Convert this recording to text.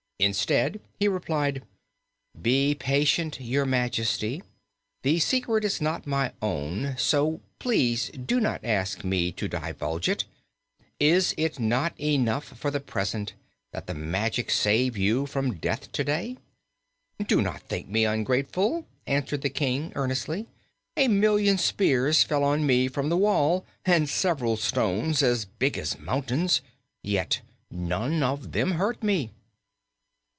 Instead, he replied: "Be patient, Your Majesty. The secret is not my own, so please do not ask me to divulge it. Is it not enough, for the present, that the magic saved you from death to day?" "Do not think me ungrateful," answered the King earnestly. "A million spears fell on me from the wall, and several stones as big as mountains, yet none of them hurt me!"